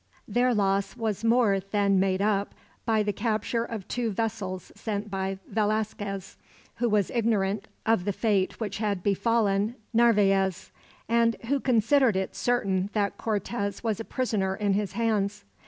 Their loss was more than made up by the capture of two vessels sent by Velasquez, who was ignorant of the fate which had befallen Narvaez; and who considered it certain that Cortez was a prisoner in his hands.